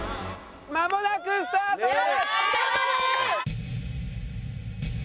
まもなくスタートです！